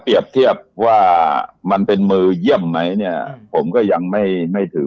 เทียบว่ามันเป็นมือเยี่ยมไหมเนี่ยผมก็ยังไม่ไม่ถือ